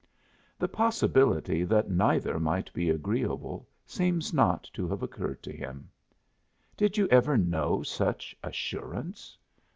The possibility that neither might be agreeable seems not to have occurred to him. Did you ever know such assurance?